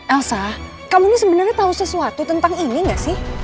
elsa kamu ini sebenarnya tahu sesuatu tentang ini gak sih